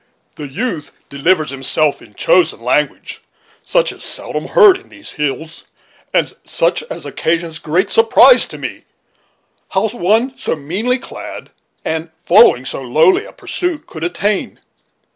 The youth delivers himself in chosen language, such as is seldom heard in these hills, and such as occasions great surprise to me, how one so meanly clad, and following so lowly a pursuit, could attain.